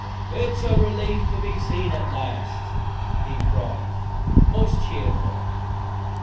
"It is a relief to be seen at last," he cried, most cheerful.